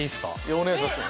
お願いしますよ。